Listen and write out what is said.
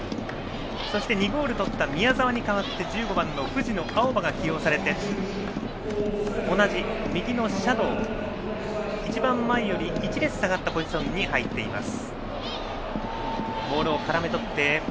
そして２ゴールを取った宮澤に代わって藤野あおばが起用されて同じ右のシャドー一番前より１列下がったところに入っています。